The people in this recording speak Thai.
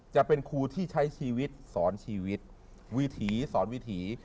จะเป็นครูที่ใช้ชีวิตสอนชีวิตวิถีสอนวิถี